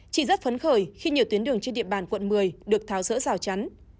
chị rất phấn khởi khi nhiều tuyến đường trên địa bàn quận một mươi được tháo rỡ rào chắn